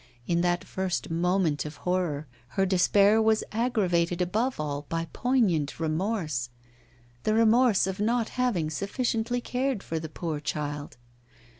In that first moment of horror her despair was aggravated above all by poignant remorse the remorse of not having sufficiently cared for the poor child.